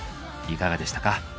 いかがでしたか？